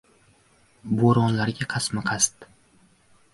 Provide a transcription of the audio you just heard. Bo‘ronlarga qasdma-qasd